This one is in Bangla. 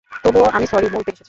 তবুও আমি স্যরি বলতে এসেছি।